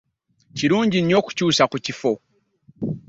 Kirungi nnyo okukyusa ku kifo.